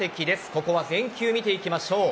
ここは全球見ていきましょう。